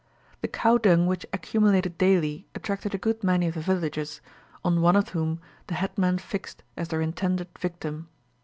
The cow dung which accumulated daily attracted a good many of the villagers, on one of whom the headman fixed as their intended victim.